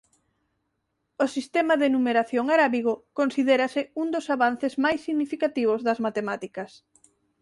O sistema de numeración arábigo considérase un dos avances máis significativos das matemáticas.